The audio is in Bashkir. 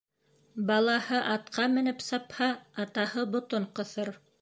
Балаһы атҡа менеп сапһа, атаһы ботон ҡыҫыр.